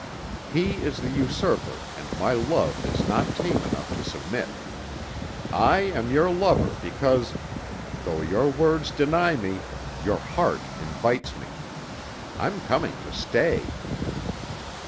He is the usurper and my love is not tame enough to submit. I am your lover because, though your words deny me, your heart invites me. I'm coming to stay."